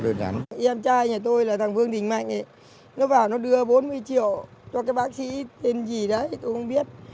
em trai nhà tôi là thằng vương đình mạnh ấy nó vào nó đưa bốn mươi triệu cho cái bác sĩ tên gì đó thì tôi không biết